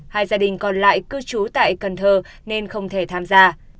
hai gia đình còn lại cư trú tại cần thơ nên không thể tham gia